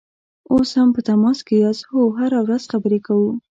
اوس هم په تماس کې یاست؟ هو، هره ورځ خبرې کوو